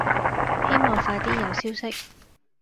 希望快啲有消息